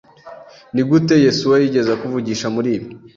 Nigute Yesuwa yigeze akuvugisha muribi?